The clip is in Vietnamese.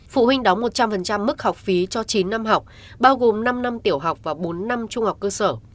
phụ huynh đóng một trăm linh mức học phí cho chín năm học bao gồm năm năm tiểu học và bốn năm trung học cơ sở